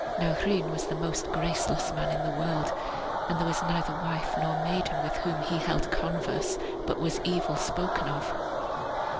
Now Rhun was the most graceless man in the world, and there was neither wife nor maiden with whom he held converse but was evil spoken of.